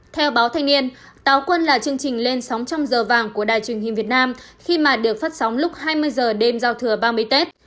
theo báo thanh niên táo quân là chương trình lên sóng trong giờ vàng của đài truyền hình việt nam khi mà được phát sóng lúc hai mươi h đêm giao thừa ba mươi tết